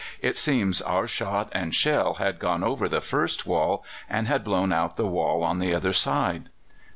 It seems our shot and shell had gone over the first wall and had blown out the wall on the other side.